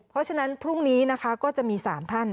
เพราะฉะนั้นพรุ่งนี้นะคะก็จะมี๓ท่าน